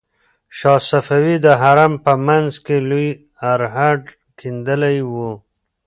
شاه صفي د حرم په منځ کې لوی ارهډ کیندلی و.